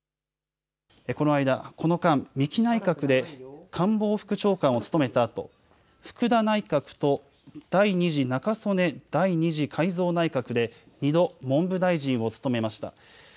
この間、三木内閣で官房副長官を務めたあと福田内閣と第２次中曽根第２次改造内閣で２度、文部大臣を務めました。